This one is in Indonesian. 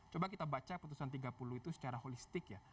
coba kita baca putusan tiga puluh itu secara holistik ya